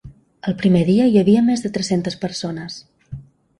El primer dia hi havia més de tres-centes persones.